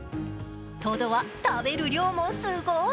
トドは食べる量もすごい。